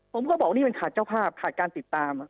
ผมก็บอกนี่มันขาดเจ้าภาพขาดการติดตาม